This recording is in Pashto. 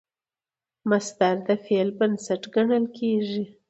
مصدر د فعل بنسټ ګڼل کېږي.